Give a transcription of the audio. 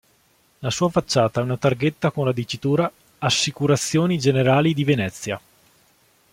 Sulla facciata è una targhetta con la dicitura Assicurazioni Generali di Venezia.